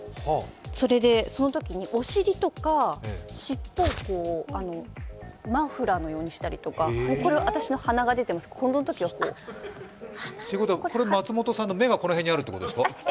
それでそのときにお尻とかしっぽをマフラーのようにしたりとかこれは私の鼻が出ていますけど、このときはこうということは、松本さんの目がこの辺にあるってことですか？